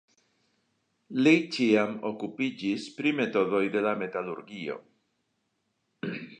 Li ĉiam okupiĝis pri metodoj de la metalurgio.